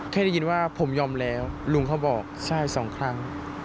ได้ยินว่าผมยอมแล้วลุงเขาบอกใช่สองครั้ง